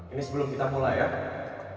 ini sebelum kita mulai ya